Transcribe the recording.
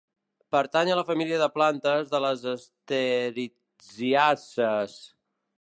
Pertany a la família de plantes de les strelitziàcees.